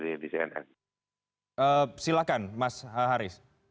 dia bilang saya nggak pernah takut